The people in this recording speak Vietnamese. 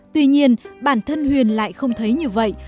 tuy nhiên bản thân huyền lại không thấy như vậy